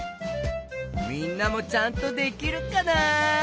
みんなもちゃんとできるかな？